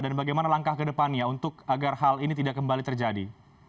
dan bagaimana langkah ke depannya untuk agar hal ini tidak kembali terjadi